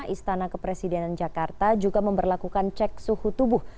istana kepresidenan jakarta juga memperlakukan cek suhu tubuh